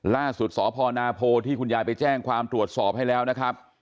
ล่าสุดสพนาโพที่คุณยายไปแจ้งความตรวจสอบให้แล้วนะครับ